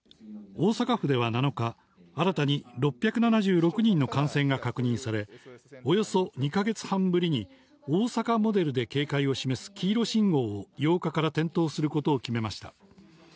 大阪府では７日、新たに６７６人の感染が確認され、およそ２か月半ぶりに、大阪モデルで警戒を示す黄色信号を、８日から点灯することを決めました。